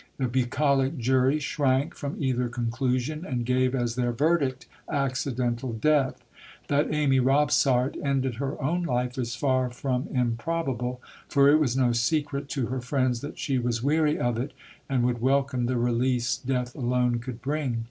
The bucolic jury shrank from either conclusion, and gave as their verdict "accidental death." That Amy Robsart ended her own life is far from improbable; for it was no secret to her friends that she was weary of it, and would welcome the release death alone could bring.